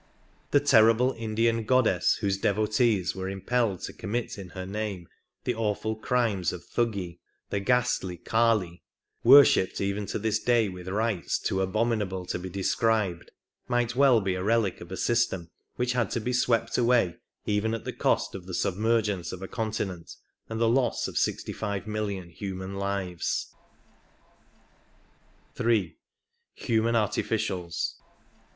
The terrible Indian goddess whose devotees were impelled to commit in her name the awful crimes of Thuggee — the ghastly Kali, worshipped even to this day with rites too abominable to be described — might well be a relic of a system which had to be swept away even at the cost of the sub mergence of a continent, and the loss of sixty five million human lives. 3. Human Artificials.